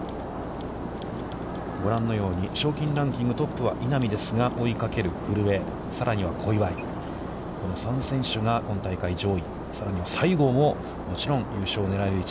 ご覧のように、賞金ランキングトップは稲見ですが追いかける古江、さらには、小祝、この３選手が今大会上位、さらには西郷ももちろん優勝を狙える位置。